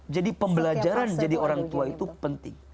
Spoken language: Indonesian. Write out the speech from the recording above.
jadi pembelajaran jadi orang tua itu penting